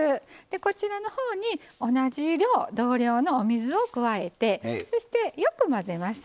こちらのほうに同じ量同量のお水を加えてそしてよく混ぜます。